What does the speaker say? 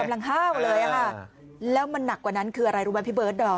กำลังฮ่าวเลยค่ะแล้วมันหนักกว่านั้นคืออะไรรู้มั้ยพี่เบิร์ต